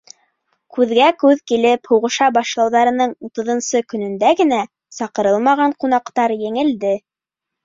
Күҙгә күҙ килеп һуғыша башлауҙарының үтыҙынсы көнөндә генә саҡырылмаған ҡунаҡтар еңелде.